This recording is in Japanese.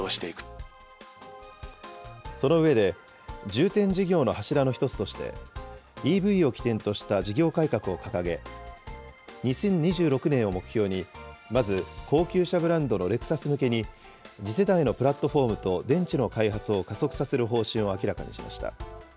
その上で、重点事業の柱の一つとして、ＥＶを起点とした事業改革を掲げ、２０２６年を目標に、まず、高級車ブランドのレクサス向けに、次世代のプラットフォームと電池の開発を加速させる方針を明らかにしました。